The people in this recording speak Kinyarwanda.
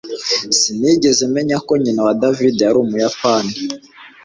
Sinigeze menya ko nyina wa David yari Umuyapani